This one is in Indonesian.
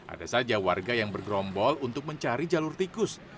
ada saja warga yang bergerombol untuk mencari jalur tikus